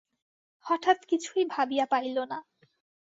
হঠাৎ কিছুই ভাবিয়া পাইল না।